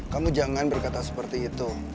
kamu jangan berkata seperti itu